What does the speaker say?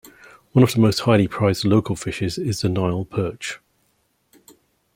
One of the most highly prized local fishes is the Nile Perch.